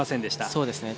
そうですね。